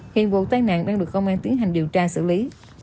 hiện vụ tai nạn đang được công an tiến hành điều tra xử lý